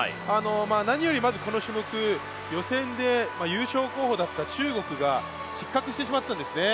何よりこの種目予選で、優勝候補だった中国が、失格してしまったんですね